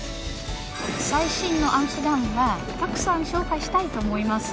最新のアムステルダムをたくさん紹介したいと思います。